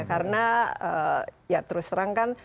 karena ya terus terang kan